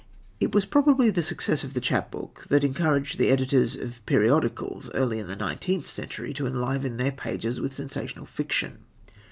It was probably the success of the chapbook that encouraged the editors of periodicals early in the nineteenth century to enliven their pages with sensational fiction.